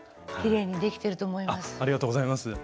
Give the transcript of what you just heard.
きれいにできてると思います。